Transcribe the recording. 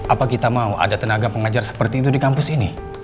apa kita mau ada tenaga pengajar seperti itu di kampus ini